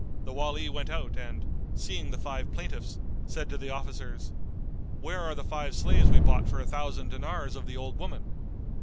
The Wali went out and, seeing the five plaintiffs, said to the officers, "Where are the five slaves we bought for a thousand dinars of the old woman?"